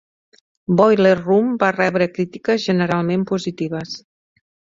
"Boiler Room" va rebre crítiques generalment positives.